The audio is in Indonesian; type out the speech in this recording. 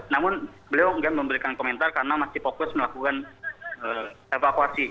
namun beliau enggak memberikan komentar karena masih fokus melakukan evakuasi